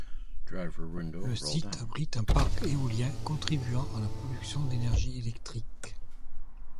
Le site abrite un parc éolien contribuant à la production d'énergie électrique.